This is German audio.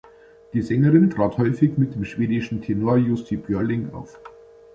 Die Sängerin trat häufig mit dem schwedischen Tenor Jussi Björling auf.